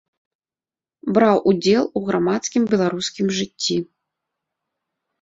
Браў удзел у грамадскім беларускім жыцці.